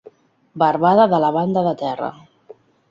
Barbada de la banda de terra.